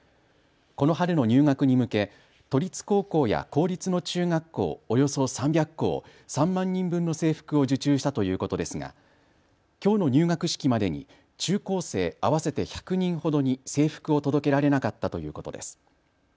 この春の入学に向け、都立高校や公立の中学校、およそ３００校３万人分の制服を受注したということですがきょうの入学式までに中高生合わせて１００人ほどに制服を届けられなかったということです。